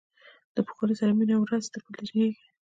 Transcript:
د پوهنې سره مینه ورځ تر بلې ډیریږي.